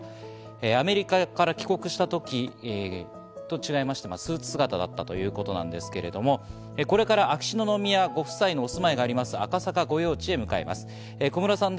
アメリカから帰国した時と違いまして、スーツ姿だったということなんですがこれから秋篠宮ご夫妻のお住まいがある赤坂御用地へ向かいます。